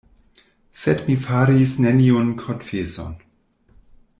Sed mi faris neniun konfeson.